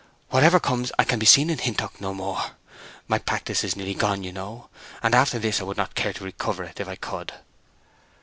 Whatever comes, I can be seen in Hintock no more. My practice is nearly gone, you know—and after this I would not care to recover it if I could."